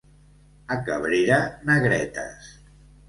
A Cabrera, negretes.